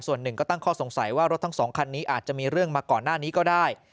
ส่วนหนึ่งก็ตั้งข้อสงสัยว่ารถทั้งสองคันนี้อาจจะมีเรื่องมาก่อนหน้านี้ก็ได้